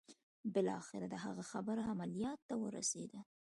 بالاخره د هغه خبره عمليات ته ورسېده.